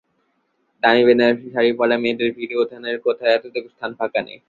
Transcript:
দামি বেনারসী শাড়ি-পরা মেয়েদের ভিড়ে উঠানের কোথাও এতটুকু স্থান ফাঁকা নাই।